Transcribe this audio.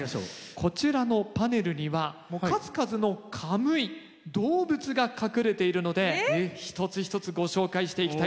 こちらのパネルには数々のカムイ動物が隠れているので一つ一つご紹介していきたいと思います。